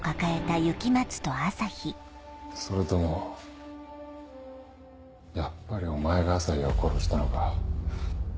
それともやっぱりお前が朝陽を殺したのか？